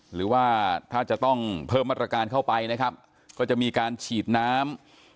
หรือว่าถ้าจะต้องเพิ่มมาตรการเข้าไปนะครับก็จะมีการฉีดน้ำ